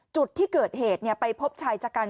จุดที่เกิดเหตุไปพบชายชะกัน